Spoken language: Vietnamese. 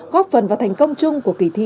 góp phần vào thành công chung của kỳ thi